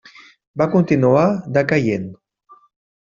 Va continuar decaient.